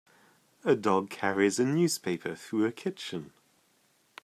A dog carries a newspaper through a kitchen.